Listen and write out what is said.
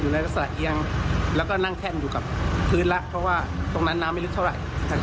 แล้วก็รอคำสั่งจากอุปคัมชาตร์ต่อไป